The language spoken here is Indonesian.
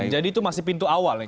jadi itu masih pintu awal ya